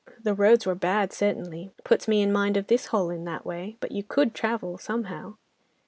The roads were bad certainly—puts me in mind of this hole, in that way; but you could travel, somehow.